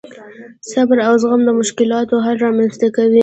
صبر او زغم د مشکلاتو حل رامنځته کوي.